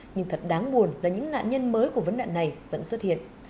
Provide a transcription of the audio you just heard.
nhưng thật đáng buồn là những nạn nhân mới của vấn đạn này vẫn xuất hiện